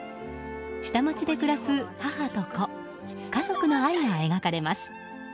下町で暮らす母と子家族の愛が描かれます。